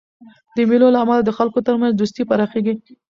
د مېلو له امله د خلکو ترمنځ دوستي پراخېږي.